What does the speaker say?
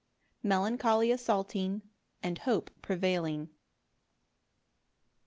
Melancholy assaulting, and hope prevailing.